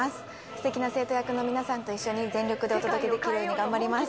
すてきな生徒役の皆さんと一緒に全力でお届けできるように頑張ります